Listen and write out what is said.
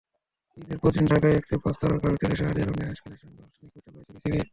ঈদের পরদিন ঢাকার একটি পাঁচতারকা হোটেলে শাহরিয়ার খানের সঙ্গে অনানুষ্ঠানিক বৈঠক হয়েছে বিসিবির।